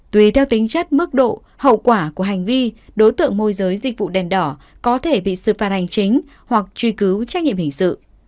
tùy theo tính chất mức độ hậu quả của hành vi đối tượng môi giới dịch vụ đèn đỏ có thể bị xử phạt hành chính hoặc truy cứu trách nhiệm hình sự